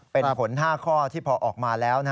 เป็นผล๕ข้อที่พอออกมาแล้ว